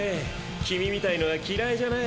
君みたいのは嫌いじゃない。